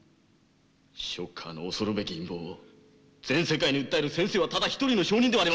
ショッカーの恐るべき陰謀を全世界に訴える先生はただ一人の証人ではありませんか！